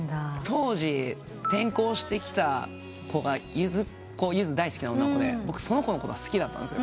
当時転校してきた子がゆず大好きな女の子で僕その子のことが好きだった。